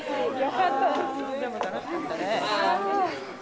でも楽しかったね。